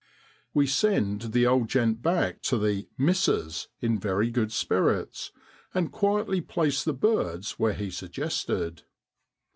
' We send the old gent back to the ' missus ' in very good spirits, and quietly place the birds where he suggested.